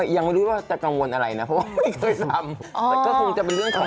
ยังไม่รู้ว่าจะกังวลอะไรนะเพราะว่าไม่เคยทำ